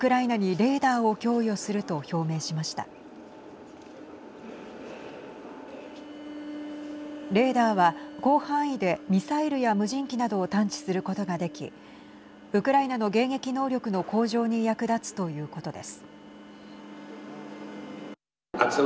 レーダーは広範囲でミサイルや無人機などを探知することができウクライナの迎撃能力の向上に役立つということです。